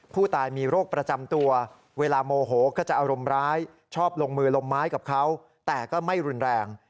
ผู้ตายมีโรคประจำตัวเวลาโมโหก็จะอารมณ์ร้ายชอบลงมือลงไม้กับเขาแต่ก็ไม่รุนแรง